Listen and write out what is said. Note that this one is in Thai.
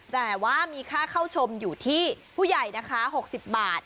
แต่ว่ามีค่าเข้าชมอยู่ที่ผู้ใหญ่นะคะ๖๐บาท